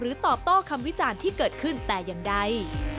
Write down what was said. ตอบโต้คำวิจารณ์ที่เกิดขึ้นแต่อย่างใด